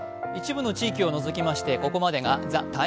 一部の地域を除きましてここまでが「ＴＨＥＴＩＭＥ’」。